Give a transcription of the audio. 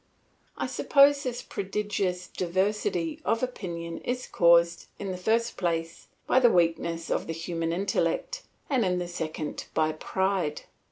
I suppose this prodigious diversity of opinion is caused, in the first place, by the weakness of the human intellect; and, in the second, by pride.